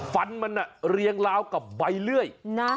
ฟันมันเรียงลาวกับใบเลื่อย